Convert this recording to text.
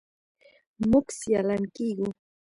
موږ سیالان کیږو.